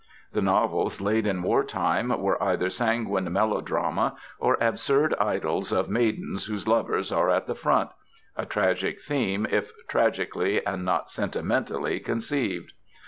The novels laid in war time are either sanguine melodrama or absurd idyls of maidens whose lovers are at the front a tragic theme if tragically and not sentimentally conceived.